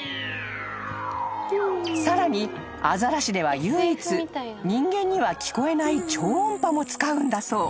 ［さらにアザラシでは唯一人間には聞こえない超音波も使うんだそう］